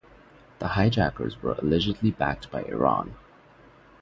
The hijackers were allegedly backed by Iran.